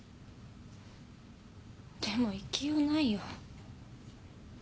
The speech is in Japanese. でも行きようないよ。